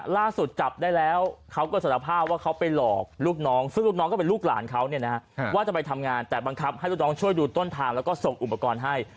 ล่าสุดจับได้แล้วเขาก็สารภาพว่าเขาไปหลอกลูกน้องซึ่งลูกน้องก็เป็นลูกหลานเขาว่าจะไปทำงานแต่บังคับให้ลูกน้องช่วยดูต้นทางแล้วก็ส่งอุปกรณ์ให้